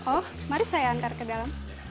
oh mari saya antar ke dalam